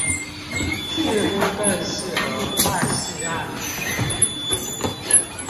似乎更適合泰式按摩